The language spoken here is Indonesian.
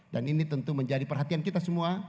dan ini tentu menjadi perhatian kita semua